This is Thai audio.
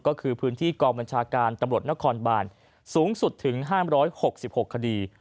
ก็คือพื้นที่กองบัญชาการตำรวจนครบานสูงสุดถึง๕๖๖คดี